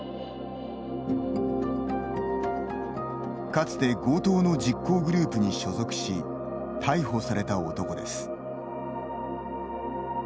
かつて強盗の実行グループに所属し、逮捕された男です。